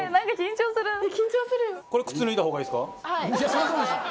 そりゃそうでしょ！